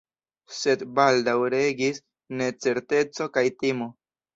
Sed baldaŭ regis necerteco kaj timo.